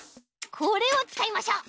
これをつかいましょう。